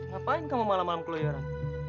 ngapain kamu malam malam kelayaran